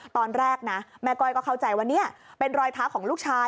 ตอนแรกนะแม่ก้อยก็เข้าใจว่านี่เป็นรอยเท้าของลูกชาย